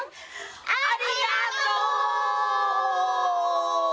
ありがとう！